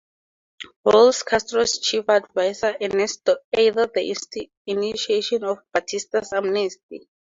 Raul and Castro's chief advisor Ernesto aided the initiation of Batista's amnesty.